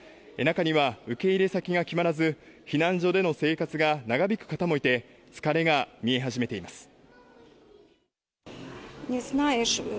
中には受け入れ先が決まらず、避難所での生活が長引く方もいて、疲れが見え始めています。